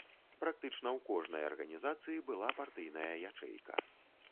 Практычна ў кожнай арганізацыі была партыйная ячэйка.